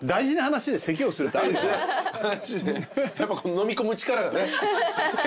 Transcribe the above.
のみ込む力がね